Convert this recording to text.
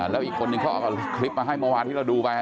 แล้วอีกคนนึงเขาเอาคลิปมาให้เมื่อวานที่เราดูไป